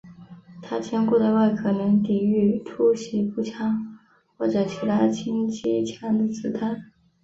他坚固的外壳能抵御突袭步枪或者其他轻机枪的子弹。